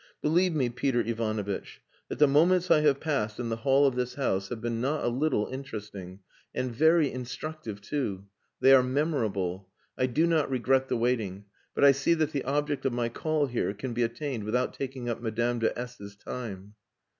"Believe me, Peter Ivanovitch, that the moments I have passed in the hall of this house have been not a little interesting, and very instructive too. They are memorable. I do not regret the waiting, but I see that the object of my call here can be attained without taking up Madame de S 's time."